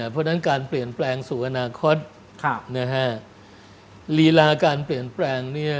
เพราะฉะนั้นการเปลี่ยนแปลงสู่อนาคตลีลาการเปลี่ยนแปลงเนี่ย